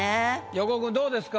横尾君どうですか？